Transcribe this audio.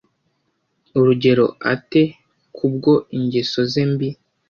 urugero ate Kubwo ingeso ze mbi